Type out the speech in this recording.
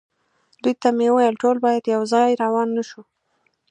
دوی ته مې وویل: ټول باید یو ځای روان نه شو.